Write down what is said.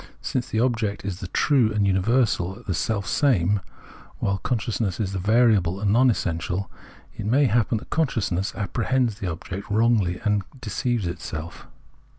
Since the object is the true and universal, the self same, while con sciousness is the variable and non essential, it may happen that consciousness apprehends the object wrongly and deceives itself.